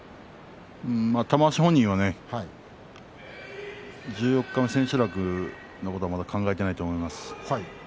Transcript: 玉鷲本人は十四日目、千秋楽のことまで考えていないと思います。